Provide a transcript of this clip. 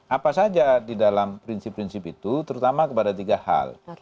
apa saja di dalam prinsip prinsip itu terutama kepada tiga hal